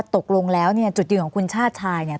ตกลงแล้วเนี่ยจุดยืนของคุณชาติชายเนี่ย